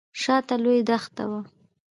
شاته لوی دښت و.